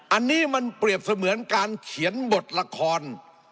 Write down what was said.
อันนี้มันเปรียบเสมือนการเขียนบทละคร